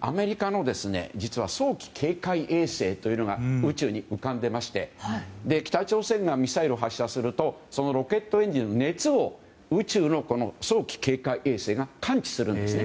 アメリカの、実は早期警戒衛星というのが宇宙に浮かんでいまして北朝鮮がミサイルを発射するとそのロケットエンジンの熱を宇宙の早期警戒衛星が感知するんですね。